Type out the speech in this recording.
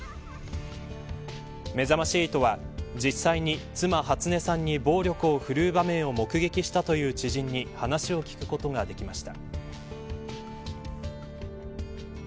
めざまし８は実際に妻、初音さんに暴力を振るう場面を目撃したという知人に話を聞くことができました。